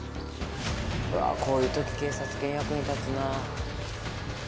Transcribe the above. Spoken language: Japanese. うわこういうとき警察犬役に立つな。